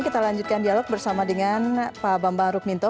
kita lanjutkan dialog bersama dengan pak bambang rukminto